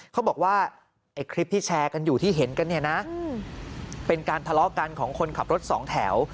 เขาบอกว่าไอ้คลิปที่แชร์กันอยู่ที่เห็นกันเนี่ยนะเป็นการทะเลาะกันของคนขับรถสองแถว